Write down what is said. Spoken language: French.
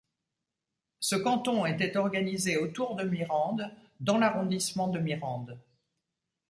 Ce canton était organisé autour de Mirande dans l'arrondissement de Mirande.